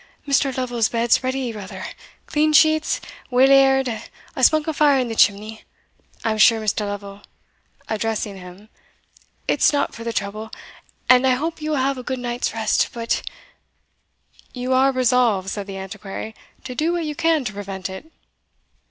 "Mr. Lovel's bed's ready, brother clean sheets weel aired a spunk of fire in the chimney I am sure, Mr. Lovel," (addressing him), "it's no for the trouble and I hope you will have a good night's rest But" "You are resolved," said the Antiquary, "to do what you can to prevent it."